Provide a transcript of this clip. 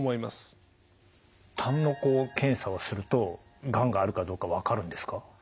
たんの検査をするとがんがあるかどうか分かるんですか？